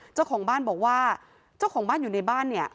เจ้าของบ้านบอกว่าเจ้าของบ้านอยู่ในบ้านเนี่ย